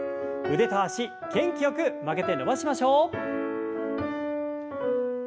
腕と脚元気よく曲げて伸ばしましょう。